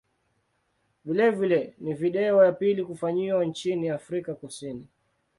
Vilevile ni video ya pili kufanyiwa nchini Afrika Kusini.